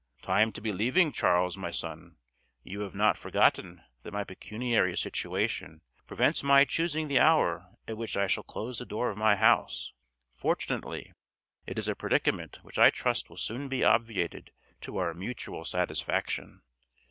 "Time to be leaving, Charles, my son. You have not forgotten that my pecuniary situation prevents my choosing the hour at which I shall close the door of my house. Fortunately it is a predicament which I trust will soon be obviated to our mutual satisfaction."